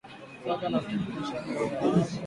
saga na kuchekecha unga wa karanga